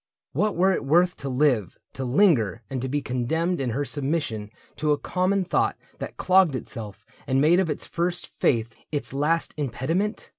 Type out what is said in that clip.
What were it worth To live, to linger, and to be condemned In her submission to a common thought That clogged itself and made of its first faith Its last impediment